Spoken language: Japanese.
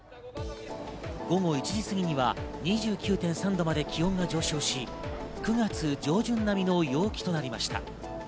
午後１時過ぎには２９．３度まで気温が上昇し９月上旬並みの陽気となりました。